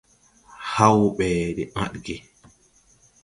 Haw ɓɛ de ãdge.